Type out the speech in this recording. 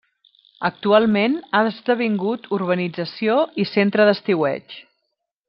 Actualment ha esdevingut urbanització i centre d'estiueig.